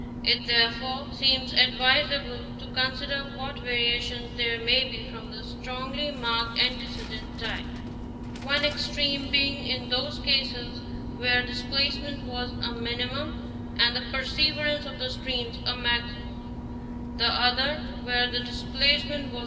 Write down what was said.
It therefore seems advisable to consider what variations there may be from the strongly marked antecedent type ; one extreme being in those cases where the displacement was a minimum and the perseverance of the streams a maximum, the other where the dis placement was.